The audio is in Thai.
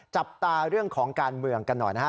จับตาเรื่องของการเมืองกันหน่อยนะฮะ